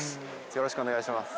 よろしくお願いします。